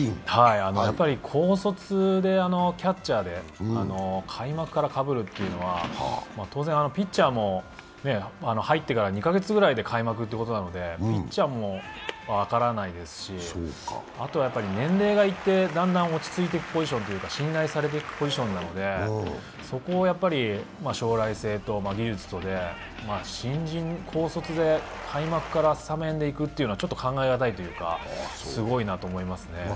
高卒でキャッチャーで開幕からかぶるというのは当然ピッチャーも入ってから２カ月くらいで開幕ということなので、ピッチャーも分からないですし、あとは年齢がいってだんだん落ち着いていくポジションというか、信頼されていくポジションなんで、そこを将来性と技術とで新人、高卒で開幕からスタメンでいくというのはちょっと考えがたいというか、すごいなと思いますね。